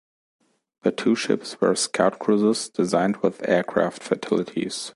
The two ships were "scout cruisers", designed with aircraft facilities.